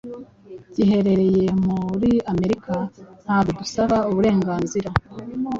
giherereye muri Amerika ntabwo dusaba uburenganzira